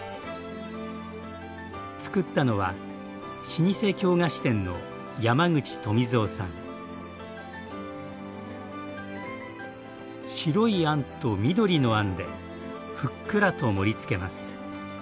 つくったのは老舗京菓子店の白いあんと緑のあんでふっくらと盛りつけます。